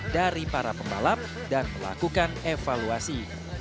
dari para pembalap dan melakukan evaluasi